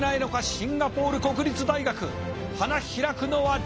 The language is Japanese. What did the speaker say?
シンガポール国立大学花開くのは誰か？